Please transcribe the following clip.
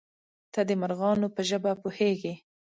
_ته د مرغانو په ژبه پوهېږې؟